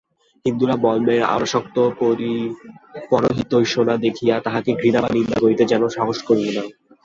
হিন্দুরা বিল্বনের অনাসক্ত পরহিতৈষণা দেখিয়া তাঁহাকে ঘৃণা বা নিন্দা করিতে যেন সাহস করিল না।